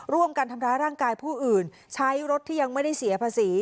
ร่วมกันทำร้ายร่างกายผู้อื่นใช้รถที่ยังไม่ได้เสียภาษี